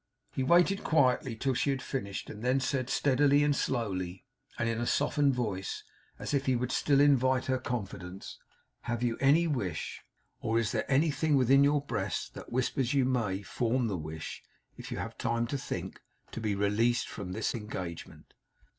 He waited quietly till she had finished, and then said, steadily and slowly, and in a softened voice, as if he would still invite her confidence: 'Have you any wish or is there anything within your breast that whispers you may form the wish, if you have time to think to be released from this engagement?